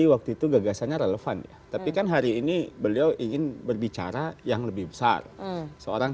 waktu itu gagasannya relevan ya tapi kan hari ini beliau ingin berbicara yang lebih besar seorang